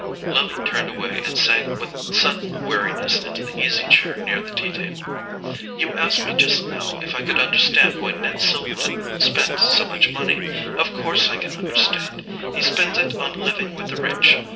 Lily turned away and sank with sudden weariness into the easy chair near the tea table. "You asked me just now if I could understand why Ned Silverton spent so much money. Of course I understand—he spends it on living with the rich.